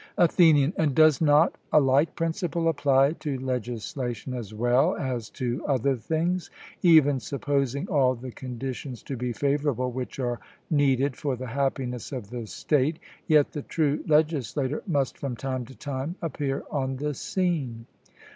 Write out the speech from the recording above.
ATHENIAN: And does not a like principle apply to legislation as well as to other things: even supposing all the conditions to be favourable which are needed for the happiness of the state, yet the true legislator must from time to time appear on the scene?